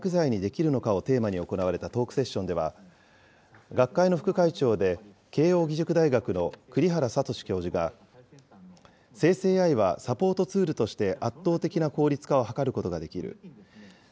日本は生成ＡＩを起爆剤にできるのかをテーマに行われたトークセッションでは学会の副会長で慶應義塾大学の栗原聡教授が、生成ＡＩは、サポートツールとして圧倒的な効率化を図ることができる。